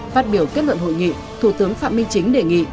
phát biểu kết luận hội nghị thủ tướng phạm minh chính đề nghị